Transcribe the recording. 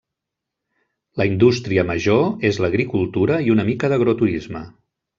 La indústria major és l'agricultura i una mica d'agroturisme.